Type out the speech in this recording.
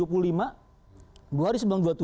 buah hari sembilan dua puluh tujuh